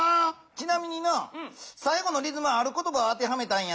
ちなみになさい後のリズムはある言ばを当てはめたんやで。